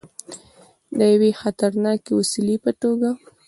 د یوې خطرناکې وسلې په توګه.